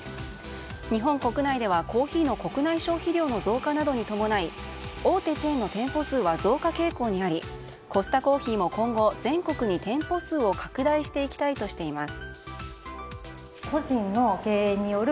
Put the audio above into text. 日本国内ではコーヒーの国内消費量の増加などに伴い大手チェーンの店舗数は増加傾向にありコスタコーヒーも今後全国に店舗数を拡大していきたいとしています。